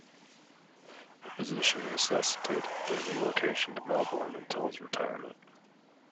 The position necessitated their relocation to Melbourne until his retirement.